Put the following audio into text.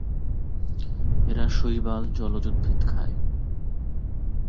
এরা শৈবাল, জলজ উদ্ভিদ খায়।